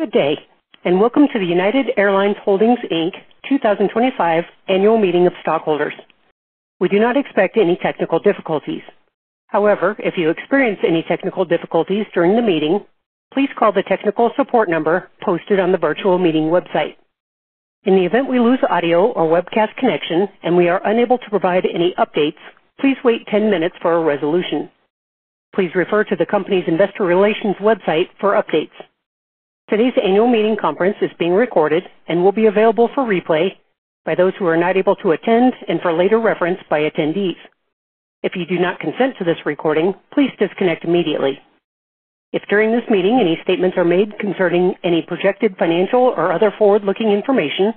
Good day, and welcome to the United Airlines Holdings 2025 Annual Meeting of Stockholders. We do not expect any technical difficulties. However, if you experience any technical difficulties during the meeting, please call the technical support number posted on the virtual meeting website. In the event we lose audio or webcast connection and we are unable to provide any updates, please wait 10 minutes for a resolution. Please refer to the company's investor relations website for updates. Today's annual meeting conference is being recorded and will be available for replay by those who are not able to attend and for later reference by attendees. If you do not consent to this recording, please disconnect immediately. If during this meeting any statements are made concerning any projected financial or other forward-looking information,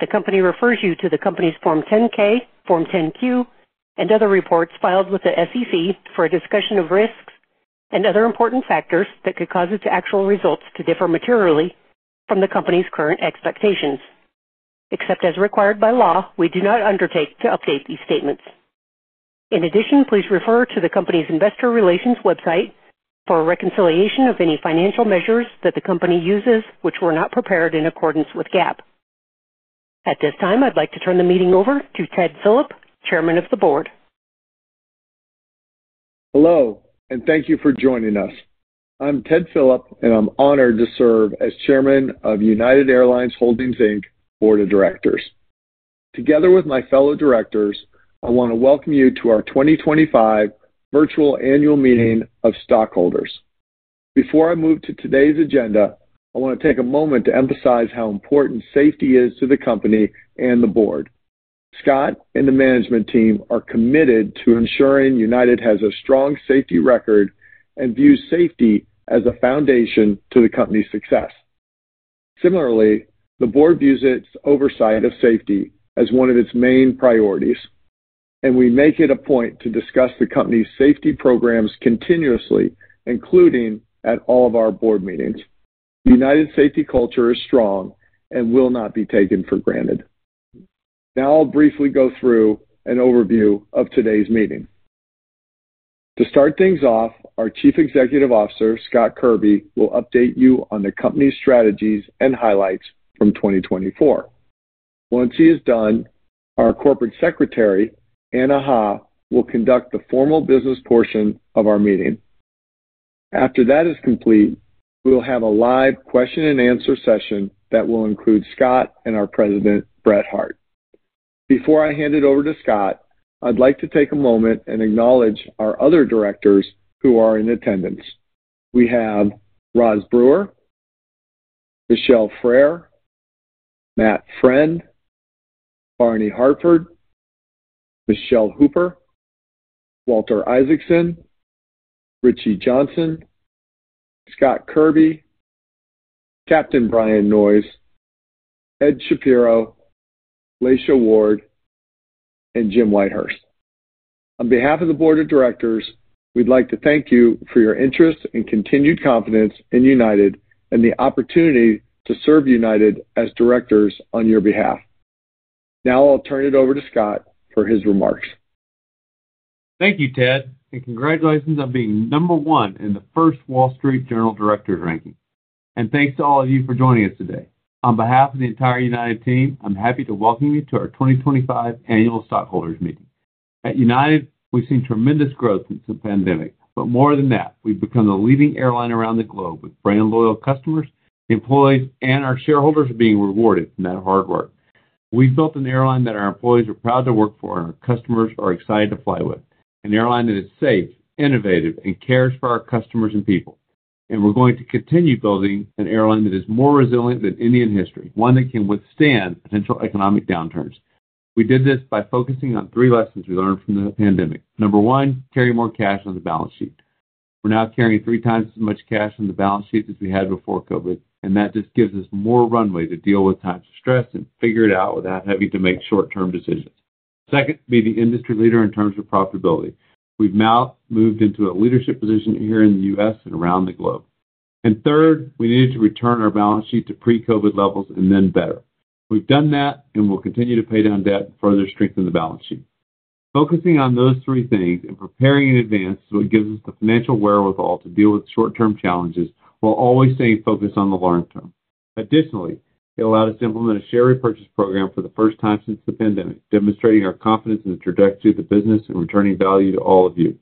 the company refers you to the company's Form 10-K, Form 10-Q, and other reports filed with the SEC for a discussion of risks and other important factors that could cause its actual results to differ materially from the company's current expectations. Except as required by law, we do not undertake to update these statements. In addition, please refer to the company's investor relations website for a reconciliation of any financial measures that the company uses which were not prepared in accordance with GAAP. At this time, I'd like to turn the meeting over to Ted Philip, Chairman of the Board. Hello, and thank you for joining us. I'm Ted Philip, and I'm honored to serve as Chairman of United Airlines Holdings, Board of Directors. Together with my fellow directors, I want to welcome you to our 2025 virtual annual meeting of stockholders. Before I move to today's agenda, I want to take a moment to emphasize how important safety is to the company and the board. Scott and the management team are committed to ensuring United has a strong safety record and view safety as a foundation to the company's success. Similarly, the board views its oversight of safety as one of its main priorities, and we make it a point to discuss the company's safety programs continuously, including at all of our board meetings. United's safety culture is strong and will not be taken for granted. Now I'll briefly go through an overview of today's meeting. To start things off, our Chief Executive Officer, Scott Kirby, will update you on the company's strategies and highlights from 2024. Once he is done, our Corporate Secretary, Anna Ha, will conduct the formal business portion of our meeting. After that is complete, we'll have a live question-and-answer session that will include Scott and our President, Brett Hart. Before I hand it over to Scott, I'd like to take a moment and acknowledge our other directors who are in attendance. We have Roz Brewer, Michelle Freyre, Matt Friend, Barney Harford, Michele Hooper, Walter Isaacson, Richie Johnson, Scott Kirby, Captain Brian Noyes, Ed Shapiro, Laysha Ward, and Jim Whitehurst. On behalf of the Board of Directors, we'd like to thank you for your interest and continued confidence in United and the opportunity to serve United as directors on your behalf. Now I'll turn it over to Scott for his remarks. Thank you, Ted, and congratulations on being number one in the first Wall Street Journal Directors ranking. Thanks to all of you for joining us today. On behalf of the entire United team, I'm happy to welcome you to our 2025 annual stockholders meeting. At United, we've seen tremendous growth since the pandemic, but more than that, we've become the leading airline around the globe with brand loyal customers, employees, and our shareholders being rewarded for that hard work. We've built an airline that our employees are proud to work for and our customers are excited to fly with, an airline that is safe, innovative, and cares for our customers and people. We're going to continue building an airline that is more resilient than any in history, one that can withstand potential economic downturns. We did this by focusing on three lessons we learned from the pandemic. Number one, carry more cash on the balance sheet. We're now carrying three times as much cash on the balance sheet as we had before COVID, and that just gives us more runway to deal with times of stress and figure it out without having to make short-term decisions. Second, be the industry leader in terms of profitability. We've now moved into a leadership position here in the U.S. and around the globe. Third, we needed to return our balance sheet to pre-COVID levels and then better. We've done that and will continue to pay down debt and further strengthen the balance sheet. Focusing on those three things and preparing in advance is what gives us the financial wherewithal to deal with short-term challenges while always staying focused on the long term. Additionally, it allowed us to implement a share repurchase program for the first time since the pandemic, demonstrating our confidence in the trajectory of the business and returning value to all of you.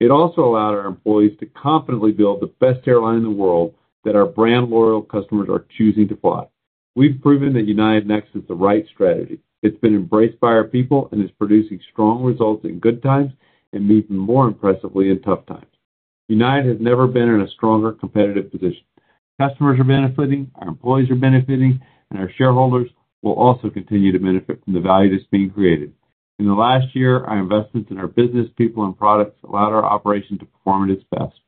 It also allowed our employees to confidently build the best airline in the world that our brand loyal customers are choosing to fly. We've proven that United Next is the right strategy. It's been embraced by our people and is producing strong results in good times and even more impressively in tough times. United has never been in a stronger competitive position. Customers are benefiting, our employees are benefiting, and our shareholders will also continue to benefit from the value that's being created. In the last year, our investments in our business, people, and products allowed our operation to perform at its best.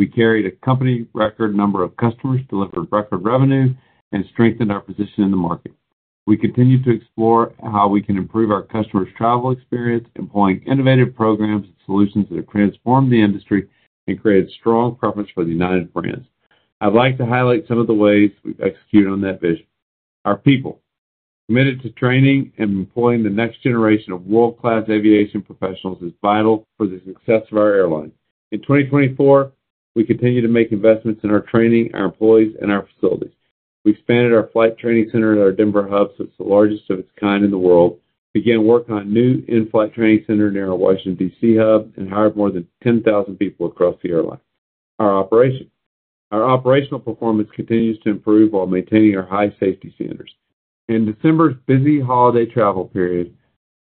We carried a company record number of customers, delivered record revenue, and strengthened our position in the market. We continue to explore how we can improve our customers' travel experience, employing innovative programs and solutions that have transformed the industry and created strong preference for the United brands. I'd like to highlight some of the ways we've executed on that vision. Our people, committed to training and employing the next generation of world-class aviation professionals, is vital for the success of our airline. In 2024, we continue to make investments in our training, our employees, and our facilities. We expanded our flight training center at our Denver hub, so it's the largest of its kind in the world, began work on a new in-flight training center near our Washington, D.C. hub, and hired more than 10,000 people across the airline. Our operational performance continues to improve while maintaining our high safety standards. In December's busy holiday travel period,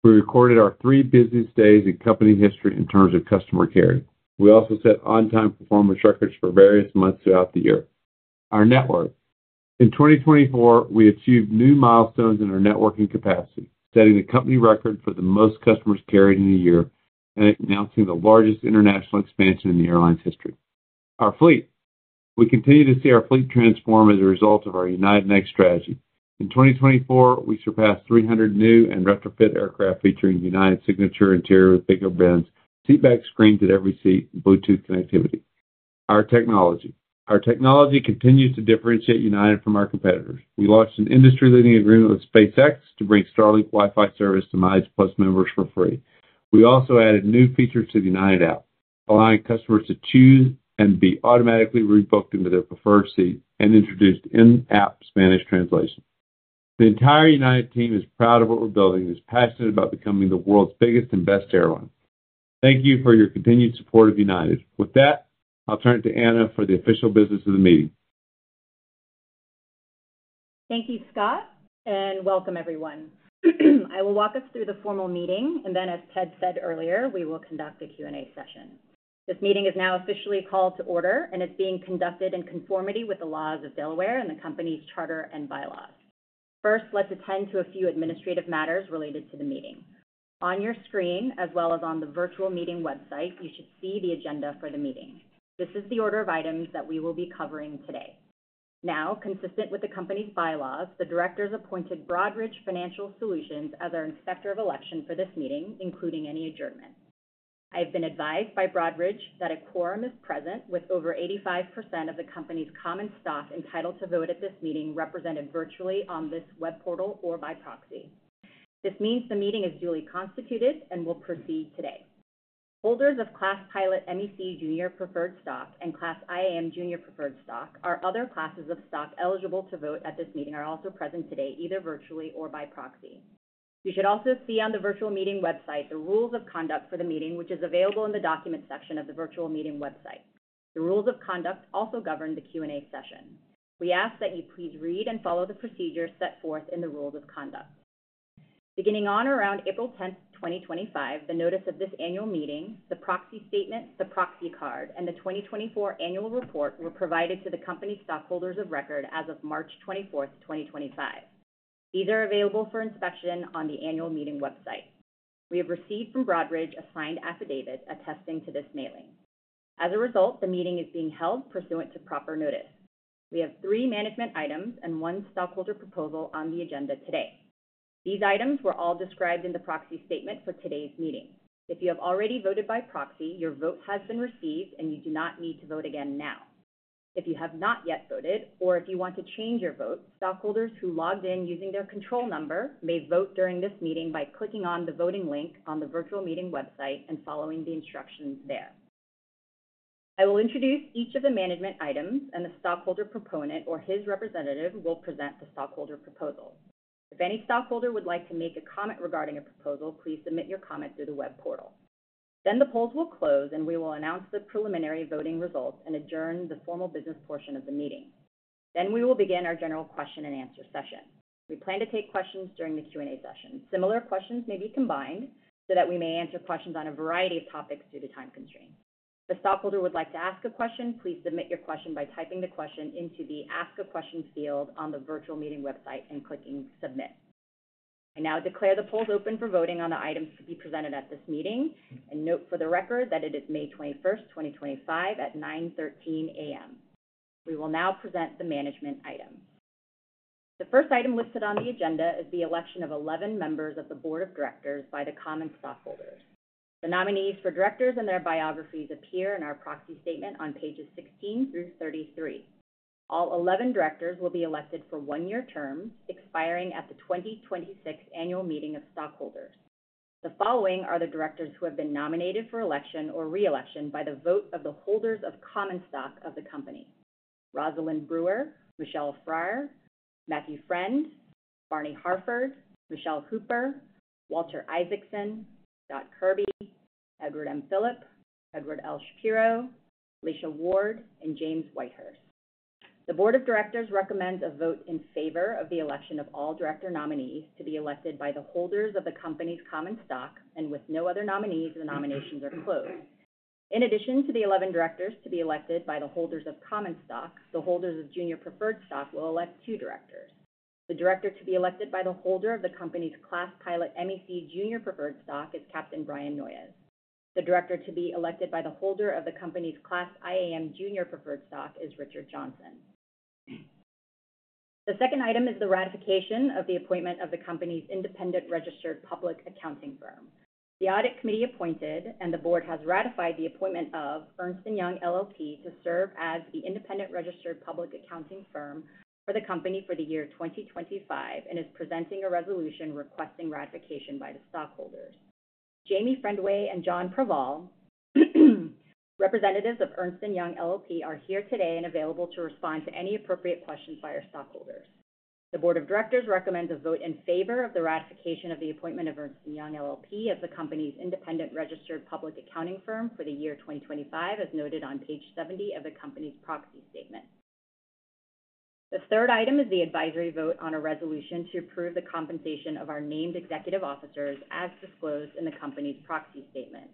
we recorded our three busiest days in company history in terms of customer care. We also set on-time performance records for various months throughout the year. Our network. In 2024, we achieved new milestones in our networking capacity, setting a company record for the most customers carried in a year and announcing the largest international expansion in the airline's history. Our fleet. We continue to see our fleet transform as a result of our United Next strategy. In 2024, we surpassed 300 new and retrofit aircraft featuring United's signature interior with bigger bins, seatback screens at every seat, and Bluetooth connectivity. Our technology. Our technology continues to differentiate United from our competitors. We launched an industry-leading agreement with SpaceX to bring Starlink Wi-Fi service to MileagePlus members for free. We also added new features to the United app, allowing customers to choose and be automatically rebooked into their preferred seat and introduced in-app Spanish translation. The entire United team is proud of what we're building and is passionate about becoming the world's biggest and best airline. Thank you for your continued support of United. With that, I'll turn it to Anna for the official business of the meeting. Thank you, Scott, and welcome, everyone. I will walk us through the formal meeting, and then, as Ted said earlier, we will conduct a Q&A session. This meeting is now officially called to order, and it is being conducted in conformity with the laws of Delaware and the company's charter and bylaws. First, let's attend to a few administrative matters related to the meeting. On your screen, as well as on the virtual meeting website, you should see the agenda for the meeting. This is the order of items that we will be covering today. Now, consistent with the company's bylaws, the directors appointed Broadridge Financial Solutions as our inspector of election for this meeting, including any adjournment. I have been advised by Broadridge that a quorum is present, with over 85% of the company's common stock entitled to vote at this meeting represented virtually on this web portal or by proxy. This means the meeting is duly constituted and will proceed today. Holders of Class Pilot MEC Junior Preferred Stock and Class IAM Junior Preferred Stock, or other classes of stock eligible to vote at this meeting, are also present today, either virtually or by proxy. You should also see on the virtual meeting website the rules of conduct for the meeting, which is available in the document section of the virtual meeting website. The rules of conduct also govern the Q&A session. We ask that you please read and follow the procedures set forth in the rules of conduct. Beginning on or around April 10th, 2025, the notice of this annual meeting, the proxy statement, the proxy card, and the 2024 annual report were provided to the company stockholders of record as of March 24th, 2025. These are available for inspection on the annual meeting website. We have received from Broadridge a signed affidavit attesting to this mailing. As a result, the meeting is being held pursuant to proper notice. We have three management items and one stockholder proposal on the agenda today. These items were all described in the proxy statement for today's meeting. If you have already voted by proxy, your vote has been received, and you do not need to vote again now. If you have not yet voted, or if you want to change your vote, stockholders who logged in using their control number may vote during this meeting by clicking on the voting link on the virtual meeting website and following the instructions there. I will introduce each of the management items, and the stockholder proponent or his representative will present the stockholder proposal. If any stockholder would like to make a comment regarding a proposal, please submit your comment through the web portal. The polls will close, and we will announce the preliminary voting results and adjourn the formal business portion of the meeting. We will begin our general question-and-answer session. We plan to take questions during the Q&A session. Similar questions may be combined so that we may answer questions on a variety of topics due to time constraints. If a stockholder would like to ask a question, please submit your question by typing the question into the Ask a Question field on the virtual meeting website and clicking Submit. I now declare the polls open for voting on the items to be presented at this meeting and note for the record that it is May 21, 2025, at 9:13 A.M. We will now present the management item. The first item listed on the agenda is the election of 11 members of the Board of Directors by the common stockholders. The nominees for directors and their biographies appear in our proxy statement on pages 16 through 33. All 11 directors will be elected for one-year terms expiring at the 2026 annual meeting of stockholders. The following are the directors who have been nominated for election or reelection by the vote of the holders of common stock of the company: Rosalind Brewer, Michelle Freyre, Matthew Friend, Barney Harford, Michele Hooper, Walter Isaacson, Scott Kirby, Edward M. Philip, Edward L. Shapiro, Laysha Ward, and James Whitehurst. The Board of Directors recommends a vote in favor of the election of all director nominees to be elected by the holders of the company's common stock, and with no other nominees, the nominations are closed. In addition to the 11 directors to be elected by the holders of common stock, the holders of junior preferred stock will elect two directors. The director to be elected by the holder of the company's Class Pilot MEC Junior Preferred Stock is Captain Brian Noyes. The director to be elected by the holder of the company's Class IAM Junior Preferred Stock is Richard Johnson. The second item is the ratification of the appointment of the company's independent registered public accounting firm. The audit committee appointed and the board has ratified the appointment of Ernst & Young LLP to serve as the independent registered public accounting firm for the company for the year 2025 and is presenting a resolution requesting ratification by the stockholders. Jamie Fendley and John Preval, representatives of Ernst & Young LLP, are here today and available to respond to any appropriate questions by our stockholders. The Board of Directors recommends a vote in favor of the ratification of the appointment of Ernst & Young LLP as the company's independent registered public accounting firm for the year 2025, as noted on page 70 of the company's proxy statement. The third item is the advisory vote on a resolution to approve the compensation of our named executive officers as disclosed in the company's proxy statement.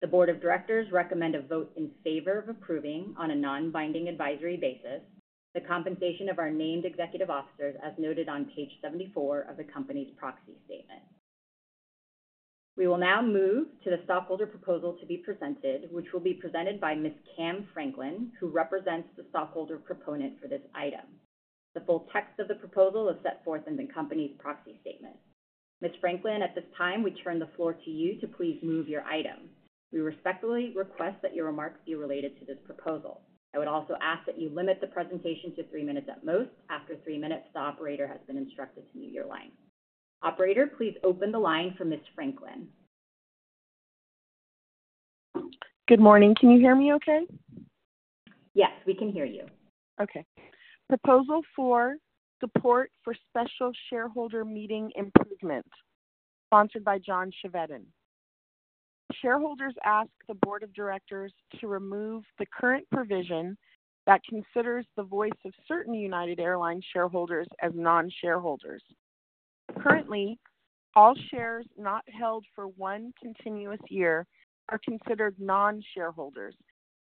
The Board of Directors recommends a vote in favor of approving on a non-binding advisory basis the compensation of our named executive officers, as noted on page 74 of the company's proxy statement. We will now move to the stockholder proposal to be presented, which will be presented by Ms. Cam Franklin, who represents the stockholder proponent for this item. The full text of the proposal is set forth in the company's proxy statement. Ms. Franklin, at this time, we turn the floor to you to please move your item. We respectfully request that your remarks be related to this proposal. I would also ask that you limit the presentation to three minutes at most. After three minutes, the operator has been instructed to mute your line. Operator, please open the line for Ms. Franklin. Good morning. Can you hear me okay? Yes, we can hear you. Okay. Proposal for support for special shareholder meeting improvement sponsored by John Chevedden. Shareholders ask the Board of Directors to remove the current provision that considers the voice of certain United Airlines shareholders as non-shareholders. Currently, all shares not held for one continuous year are considered non-shareholders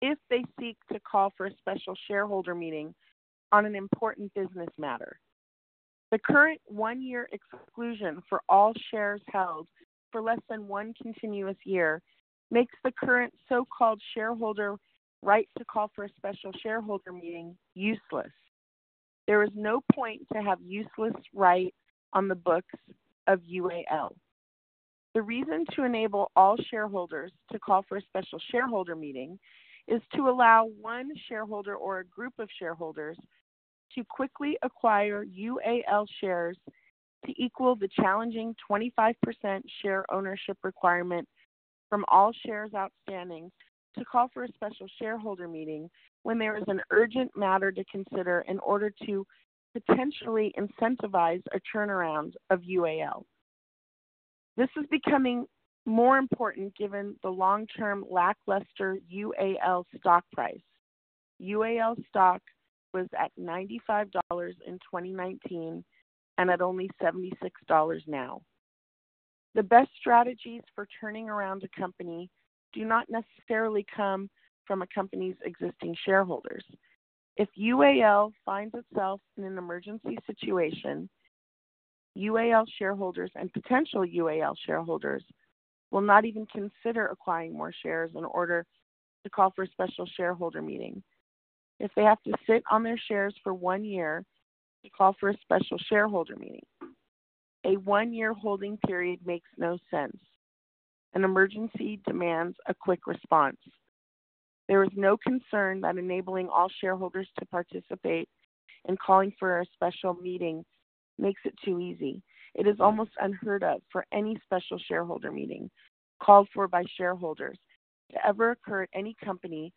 if they seek to call for a special shareholder meeting on an important business matter. The current one-year exclusion for all shares held for less than one continuous year makes the current so-called shareholder right to call for a special shareholder meeting useless. There is no point to have useless rights on the books of UAL. The reason to enable all shareholders to call for a special shareholder meeting is to allow one shareholder or a group of shareholders to quickly acquire UAL shares to equal the challenging 25% share ownership requirement from all shares outstanding to call for a special shareholder meeting when there is an urgent matter to consider in order to potentially incentivize a turnaround of UAL. This is becoming more important given the long-term lackluster UAL stock price. UAL stock was at $95 in 2019 and at only $76 now. The best strategies for turning around a company do not necessarily come from a company's existing shareholders. If UAL finds itself in an emergency situation, UAL shareholders and potential UAL shareholders will not even consider acquiring more shares in order to call for a special shareholder meeting. If they have to sit on their shares for one year to call for a special shareholder meeting, a one-year holding period makes no sense. An emergency demands a quick response. There is no concern that enabling all shareholders to participate in calling for a special meeting makes it too easy. It is almost unheard of for any special shareholder meeting called for by shareholders to ever occur at any company,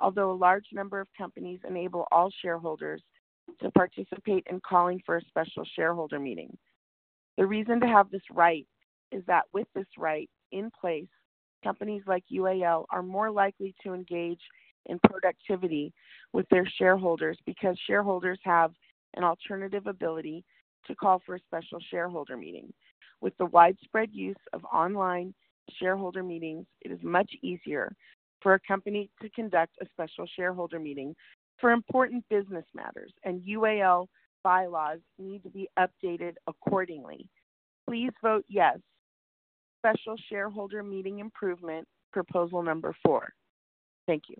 although a large number of companies enable all shareholders to participate in calling for a special shareholder meeting. The reason to have this right is that with this right in place, companies like UAL are more likely to engage in productivity with their shareholders because shareholders have an alternative ability to call for a special shareholder meeting. With the widespread use of online shareholder meetings, it is much easier for a company to conduct a special shareholder meeting for important business matters, and UAL bylaws need to be updated accordingly. Please vote yes for special shareholder meeting improvement proposal number four. Thank you.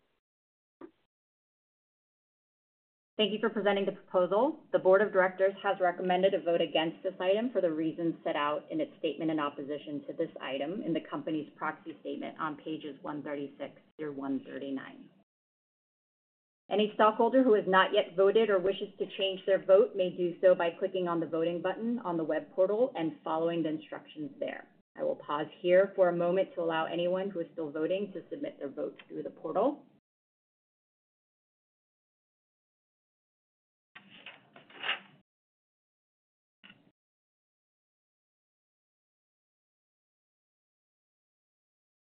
Thank you for presenting the proposal. The Board of Directors has recommended a vote against this item for the reasons set out in its statement in opposition to this item in the company's proxy statement on pages 136 through 139. Any stockholder who has not yet voted or wishes to change their vote may do so by clicking on the voting button on the web portal and following the instructions there. I will pause here for a moment to allow anyone who is still voting to submit their vote through the portal.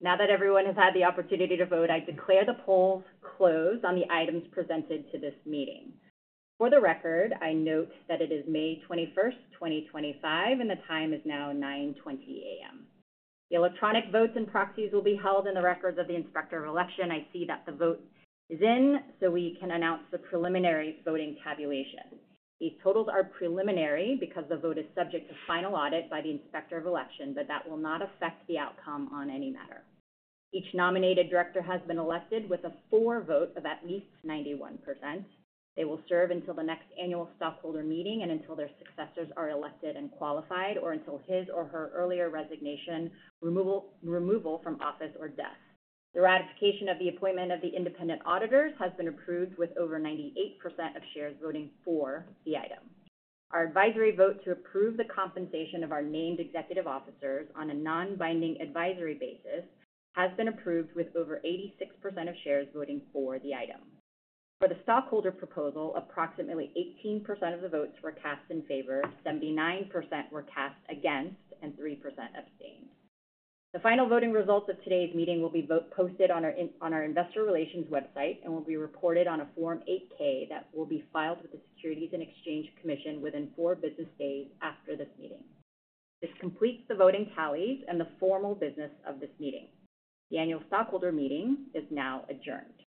Now that everyone has had the opportunity to vote, I declare the polls closed on the items presented to this meeting. For the record, I note that it is May 21st, 2025, and the time is now 9:20 A.M. The electronic votes and proxies will be held in the records of the inspector of election. I see that the vote is in, so we can announce the preliminary voting tabulation. These totals are preliminary because the vote is subject to final audit by the inspector of election, but that will not affect the outcome on any matter. Each nominated director has been elected with a for-vote of at least 91%. They will serve until the next annual stockholder meeting and until their successors are elected and qualified, or until his or her earlier resignation, removal from office or death. The ratification of the appointment of the independent auditors has been approved with over 98% of shares voting for the item. Our advisory vote to approve the compensation of our named executive officers on a non-binding advisory basis has been approved with over 86% of shares voting for the item. For the stockholder proposal, approximately 18% of the votes were cast in favor, 79% were cast against, and 3% abstained. The final voting results of today's meeting will be posted on our investor relations website and will be reported on a Form 8-K that will be filed with the Securities and Exchange Commission within four business days after this meeting. This completes the voting tallies and the formal business of this meeting. The annual stockholder meeting is now adjourned.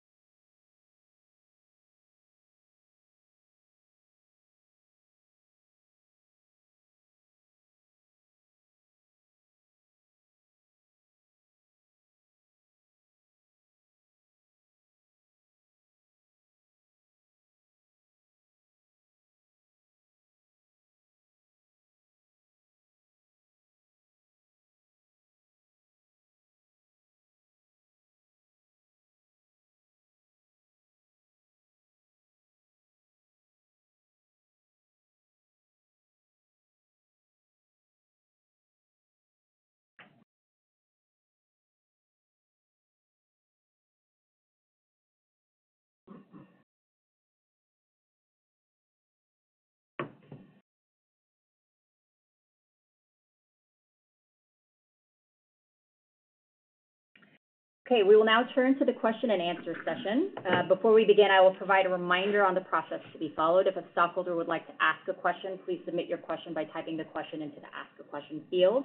Okay. We will now turn to the question-and-answer session. Before we begin, I will provide a reminder on the process to be followed. If a stockholder would like to ask a question, please submit your question by typing the question into the "Ask a question" field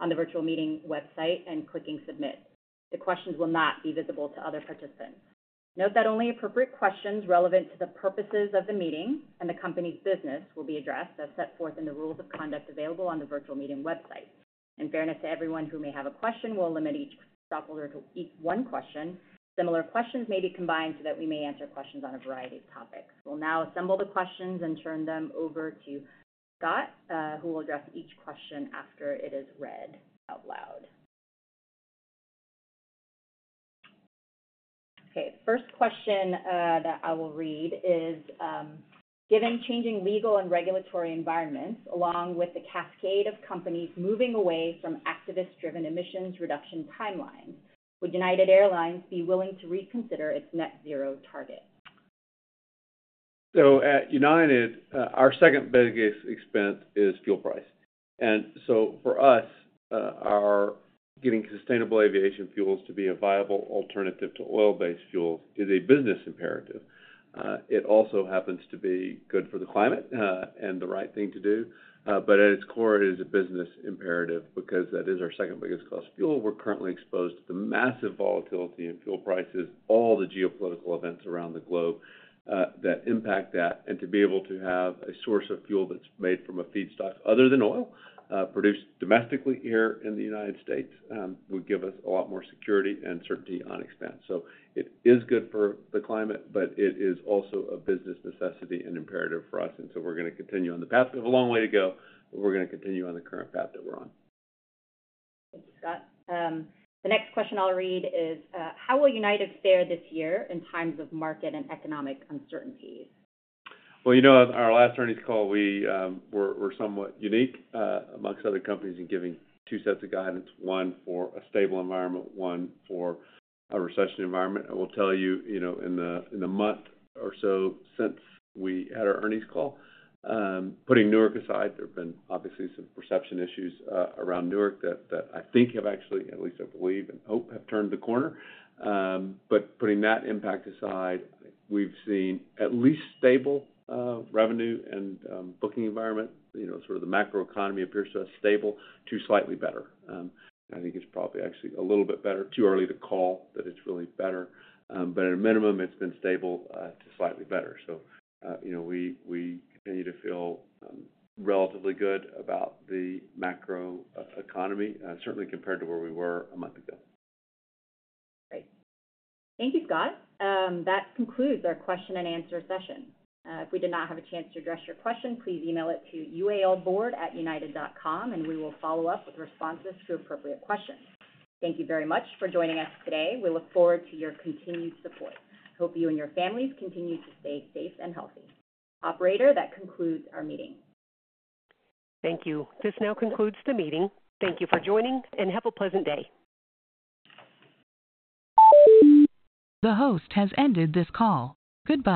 on the virtual meeting website and clicking submit. The questions will not be visible to other participants. Note that only appropriate questions relevant to the purposes of the meeting and the company's business will be addressed as set forth in the rules of conduct available on the virtual meeting website. In fairness to everyone who may have a question, we'll limit each stockholder to one question. Similar questions may be combined so that we may answer questions on a variety of topics. We'll now assemble the questions and turn them over to Scott, who will address each question after it is read out loud. Okay. First question that I will read is, "Given changing legal and regulatory environments along with the cascade of companies moving away from activist-driven emissions reduction timelines, would United Airlines be willing to reconsider its net-zero target? At United, our second biggest expense is fuel price. For us, getting sustainable aviation fuels to be a viable alternative to oil-based fuels is a business imperative. It also happens to be good for the climate and the right thing to do, but at its core, it is a business imperative because that is our second biggest cost of fuel. We're currently exposed to the massive volatility in fuel prices, all the geopolitical events around the globe that impact that, and to be able to have a source of fuel that's made from a feedstock other than oil produced domestically here in the United States would give us a lot more security and certainty on expense. It is good for the climate, but it is also a business necessity and imperative for us. We're going to continue on the path. We have a long way to go, but we're going to continue on the current path that we're on. Thank you, Scott. The next question I'll read is, "How will United fare this year in times of market and economic uncertainties? At our last earnings call, we were somewhat unique amongst other companies in giving two sets of guidance, one for a stable environment, one for a recession environment. I will tell you in the month or so since we had our earnings call, putting Newark aside, there have been obviously some perception issues around Newark that I think have actually, at least I believe and hope, have turned the corner. Putting that impact aside, we've seen at least stable revenue and booking environment. Sort of the macroeconomy appears to us stable to slightly better. I think it's probably actually a little bit better. Too early to call that it's really better, but at a minimum, it's been stable to slightly better. We continue to feel relatively good about the macroeconomy, certainly compared to where we were a month ago. Great. Thank you, Scott. That concludes our question-and-answer session. If we did not have a chance to address your question, please email it to ualboard@united.com, and we will follow up with responses to appropriate questions. Thank you very much for joining us today. We look forward to your continued support. Hope you and your families continue to stay safe and healthy. Operator, that concludes our meeting. Thank you. This now concludes the meeting. Thank you for joining, and have a pleasant day. The host has ended this call. Goodbye.